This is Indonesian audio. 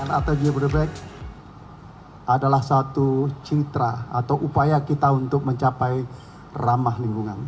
lrt jabodebek adalah satu citra atau upaya kita untuk mencapai ramah lingkungan